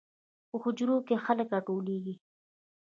په حجرو کې خلک راټولیږي.